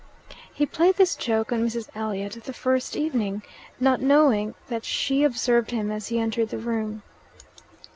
He played this joke on Mrs. Elliot the first evening, not knowing that she observed him as he entered the room.